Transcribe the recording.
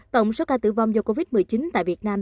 tổng số ca tử vong do covid một mươi chín tại việt nam